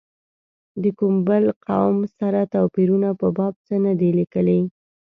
د کوم بل قوم سره توپیرونو په باب څه نه دي لیکلي.